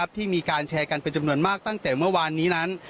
ที่มีการแชร์กันเป็นจำนวนมากตั้งแต่เมื่อวานนี้นั้น